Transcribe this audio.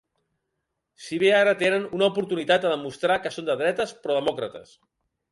Si bé ara tenen una oportunitat de demostrar que són de dretes, però demòcrates.